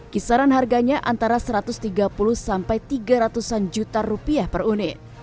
kisaran harganya antara satu ratus tiga puluh sampai tiga ratus an juta rupiah per unit